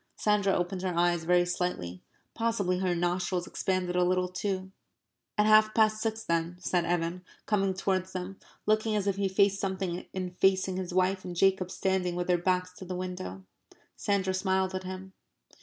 Sandra opened her eyes very slightly. Possibly her nostrils expanded a little too. "At half past six then," said Evan, coming towards them, looking as if he faced something in facing his wife and Jacob standing with their backs to the window. Sandra smiled at him.